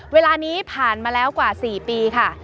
เวลานี้ผ่านมาแล้วกว่า๔ปีค่ะ